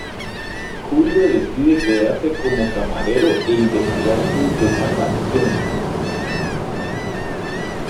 Julio decide quedarse como camarero e investigar su desaparición.